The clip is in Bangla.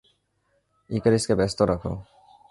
ইকারিসকে ব্যস্ত রাখো।